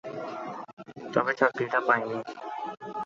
তবে চাকরিটা পাইনি।